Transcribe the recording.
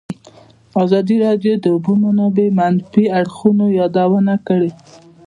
ازادي راډیو د د اوبو منابع د منفي اړخونو یادونه کړې.